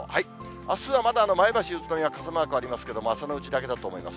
あすはまだ前橋、宇都宮、傘マークありますけども朝のうちだけだと思います。